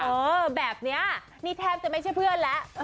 เออแบบนี้นี่แทบจะไม่ใช่เพื่อนแล้ว